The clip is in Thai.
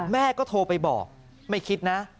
แม่ก็โทรไปบอกไม่คิดนะ